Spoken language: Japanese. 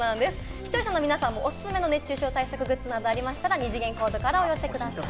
視聴者の皆さんもおすすめの熱中症対策グッズなどありましたら、二次元コードからお寄せください。